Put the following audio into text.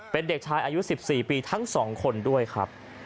เป็นเด็กชายอายุ๑๔ปีทั้ง๒คนด้วยครับ